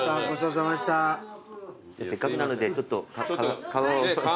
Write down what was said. せっかくなのでちょっと川を。